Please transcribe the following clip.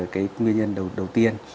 cái nguyên nhân đầu tiên